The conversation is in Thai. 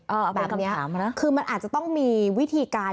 เอาเป็นคำถามนะแบบนี้คือมันอาจจะต้องมีวิธีการ